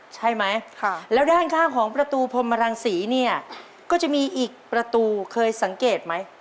ใช่ไหมแล้วด้านข้างของประตูพรมรังศรีเนี่ยก็จะมีอีกประตูเคยสังเกตไหม